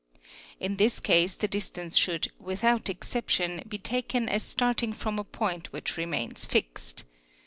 In this case the distance should without exception be taken as starting from a point which remains fixed.